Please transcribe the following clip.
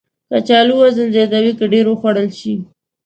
کچالو وزن زیاتوي که ډېر وخوړل شي